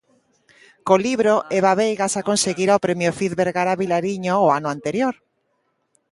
Co libro, Eva Veiga xa conseguira o premio Fiz Vergara Vilariño o ano anterior.